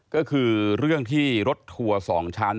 ก็คือเรื่องที่รถทัวร์๒ชั้น